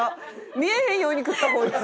見えへんように食ったこいつ。